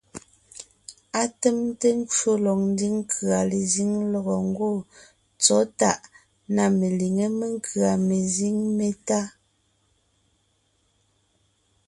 Atèmte ncwò lɔg ńdiŋ nkʉ̀a lezíŋ lɔgɔ ńgwɔ́ tsɔ̌ tàʼ na meliŋé menkʉ̀a mezíŋ métá.